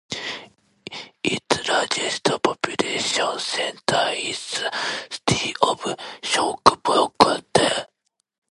Its largest population centre is the city of Sherbrooke.